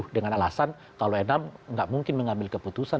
dengan alasan kalau enam nggak mungkin mengambil keputusan